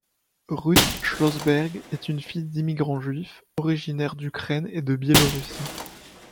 Ruth Schlossberg est une fille d'immigrants juifs, originaires d'Ukraine et de Biélorussie.